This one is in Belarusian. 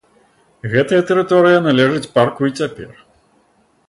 Гэтая тэрыторыя належыць парку і цяпер.